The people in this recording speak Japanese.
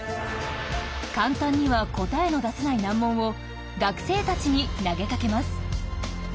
簡単には答えの出せない難問を学生たちに投げかけます。